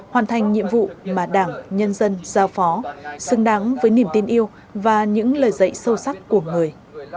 hoàn thành nhiệm vụ mà đảng nhân dân giao phó xứng đáng với niềm tin yêu và những lời dạy sâu sắc của người